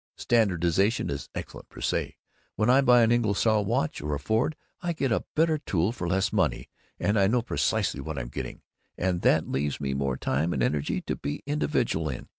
"Standardization is excellent, per se. When I buy an Ingersoll watch or a Ford, I get a better tool for less money, and I know precisely what I'm getting, and that leaves me more time and energy to be individual in.